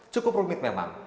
cukup rumit memang